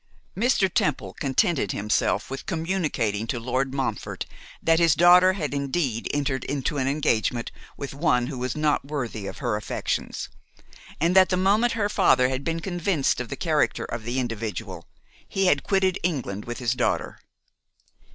Mr. Temple contented himself with communicating to Lord Montfort that his daughter had indeed entered into an engagement with one who was not worthy of her affections, and that the moment her father had been convinced of the character of the individual, he had quitted England with his daughter.